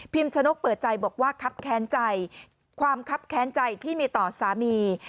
ชะนกเปิดใจบอกว่าครับแค้นใจความคับแค้นใจที่มีต่อสามี